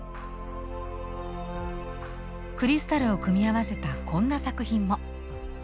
クリスタルを組み合わせたこんな作品も。